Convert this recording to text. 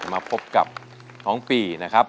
มาพบกับน้องปีนะครับ